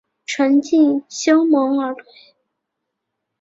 存敬修盟而退。